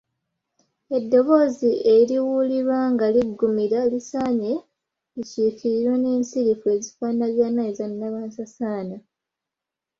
Eddoboozi eriwulirwa nga liggumira lisaanye likiikirirwe n’ensirifu ezifaanagana eza nnabansasaana.